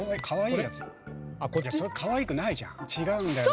それかわいくないじゃん。